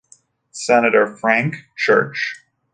Senator Frank Church.